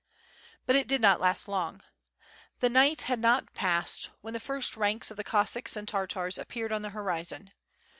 But it did not last long, the night had not passed when the first ranks of the Cossacks and Tartars appeared on the hori zon.